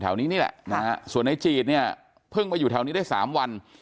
นี้นี่แหละนะฮะส่วนในจีดเนี่ยเพิ่งมาอยู่แถวนี้ได้สามวัน